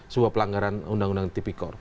sebuah pelanggaran undang undang tipikor